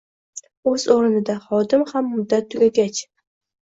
O‘z o‘rnida, xodim ham muddat tugagach